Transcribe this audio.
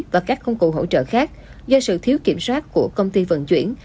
và các công cụ hỗ trợ khác do sự thiếu kiểm soát của công ty vận chuyển